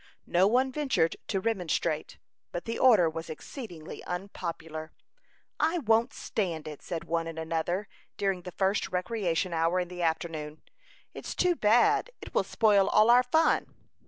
No one ventured to remonstrate, but the order was exceedingly unpopular. "I won't stand it," said one and another, during the first recreation hour in the afternoon. "It's too bad; it will spoil all our fun."